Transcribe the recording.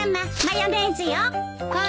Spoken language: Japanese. マヨネーズよ。